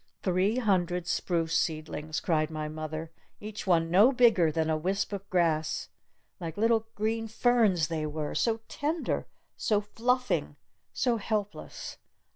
"Three hundred spruce seedlings!" cried my mother. "Each one no bigger than a wisp of grass! Like little green ferns they were! So tender! So fluffing! So helpless!"